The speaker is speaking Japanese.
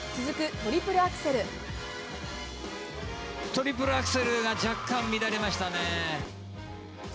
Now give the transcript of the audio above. トリプルアクセル若干、乱れました。